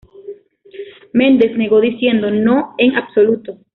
Mendes negó, diciendo: "No, en absoluto.